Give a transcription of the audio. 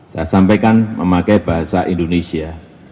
saya sampaikan memakai bahasa indonesia